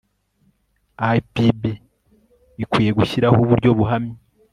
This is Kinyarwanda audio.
ipb ikwiye gushyiraho uburyo buhamye